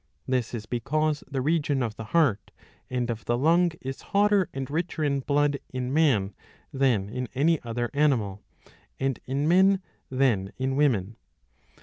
^* This is because the region of the heart and of the lung is hotter and richer in blood in man than in any other animal ; and in men than in women.